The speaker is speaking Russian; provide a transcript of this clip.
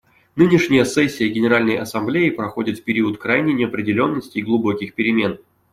Нынешняя сессия Генеральной Ассамблеи проходит в период крайней неопределенности и глубоких перемен.